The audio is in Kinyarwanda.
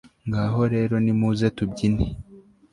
ngaho rero nimuze tubyine